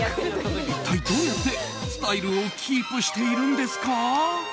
一体どうやってスタイルをキープしているんですか？